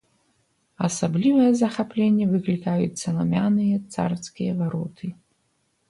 Асаблівае захапленне выклікаюць саламяныя царскія вароты.